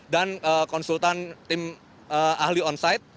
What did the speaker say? dan konsultan tim ahli onsite